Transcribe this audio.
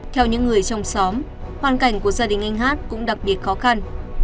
theo những người trong xóm hoàn cảnh của gia đình anh hát cũng đặc biệt khó khăn